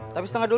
tapi setengah dua